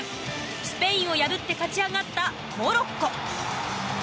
スペインを破って勝ち上がったモロッコ。